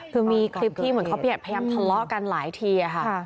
คือมีคลิปที่เหมือนเขาพยายามทะเลาะกันหลายทีค่ะ